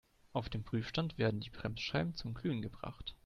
Auf dem Prüfstand werden die Bremsscheiben zum Glühen gebracht.